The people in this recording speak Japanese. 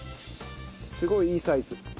すごいいいサイズ。